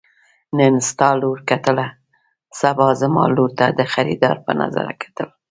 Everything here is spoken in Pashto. نن ستا لور کتله سبا زما لور ته د خريدار په نظر کتل.